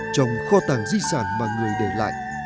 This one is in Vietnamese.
trong kho tàng di sản mà người để lại